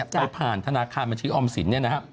ไปผ่านธนาคารบัญชีออมสิน